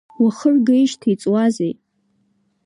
Уахыргеижьҭеи иҵуазеи?